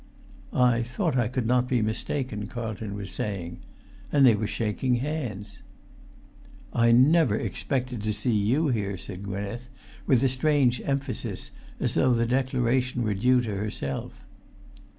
"I thought I could not be mistaken," Carlton was saying. And they were shaking hands. "I never expected to see you here," said Gwynneth, with a strange emphasis, as though the declaration were due to herself.